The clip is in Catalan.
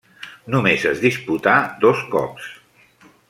Només es disputà dos cops.